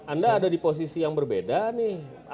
anda ada di posisi yang berbeda nih